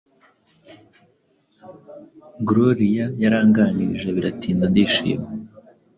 Gloria yaranganirije biratinda ndishima